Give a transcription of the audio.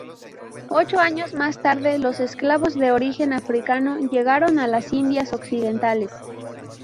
Ocho años más tarde los esclavos de origen africano llegaron a las Indias Occidentales.